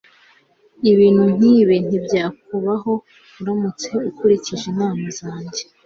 Ibintu nkibi ntibyakubaho uramutse ukurikije inama zanjye.